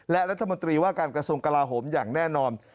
และรัฐมนตรีว่าการกระทรวงกลาโหมอย่างแน่นอน